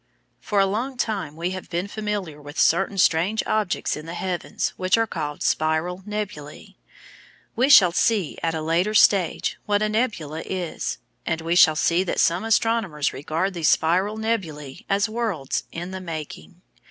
For a long time we have been familiar with certain strange objects in the heavens which are called "spiral nebulæ" (Fig 4). We shall see at a later stage what a nebula is, and we shall see that some astronomers regard these spiral nebulæ as worlds "in the making."